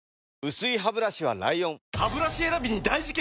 薄いハブラシは ＬＩＯＮハブラシ選びに大事件！